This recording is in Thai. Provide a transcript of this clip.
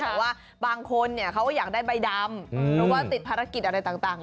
แต่ว่าบางคนเขาก็อยากได้ใบดำหรือว่าติดภารกิจอะไรต่าง